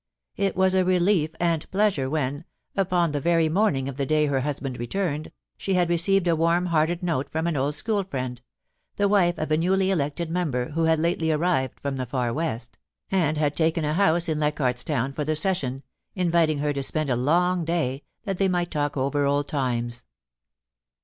It was a relief and pleasure when, upon the very morning of the day her husband returned, she had received a warm hearted note from an old school friend — the wife of a newly elected member, who had lately arrived from the Far West, and had taken a house in Leichardt's Town for the session — inviting her to spend a long day, that they might talk over old times.